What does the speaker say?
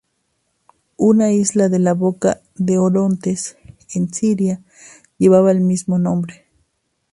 Una isla de la boca del Orontes, en Siria, llevaba el mismo nombre.